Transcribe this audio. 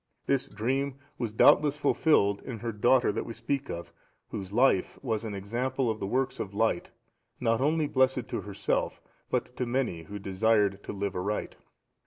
This dream was doubtless fulfilled in her daughter that we speak of, whose life was an example of the works of light, not only blessed to herself, but to many who desired to live aright.